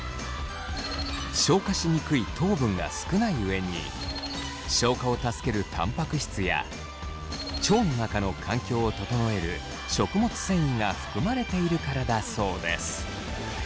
消化しにくい糖分が少ない上に消化を助けるたんぱく質や腸の中の環境を整える食物繊維が含まれているからだそうです。